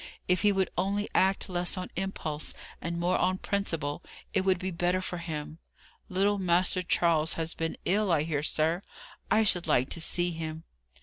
If he would only act less on impulse and more on principle, it would be better for him. Little Master Charles has been ill, I hear, sir? I should like to see him."